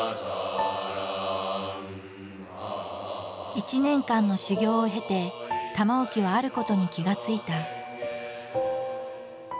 １年間の修行を経て玉置はあることに気が付いた。